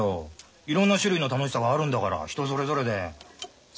いろんな種類の楽しさがあるんだから人それぞれで。さ。